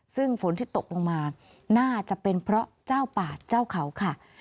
ซึ่งฝนที่ตกลงมาน่าจะเป็นเพราะเจ้าป่าเจ้าเขาค่ะ